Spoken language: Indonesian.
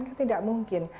kan tidak mungkin